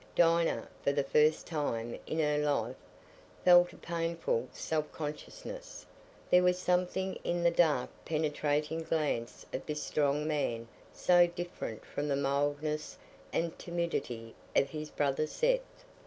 Dinah, for the first time in her life, felt a painful self consciousness; there was something in the dark penetrating glance of this strong man so different from the mildness and timidity of his brother Seth.